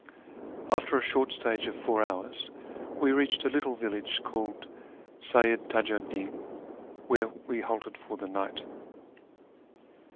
After a short stage of four hours we reached a little village called Seyyid Tiiju 'd Din, where we halted for the night.